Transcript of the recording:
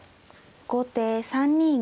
後手３二銀。